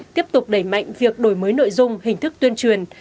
tiếp tục đẩy mạnh việc đổi mới nội dung hình thức tuyên truyền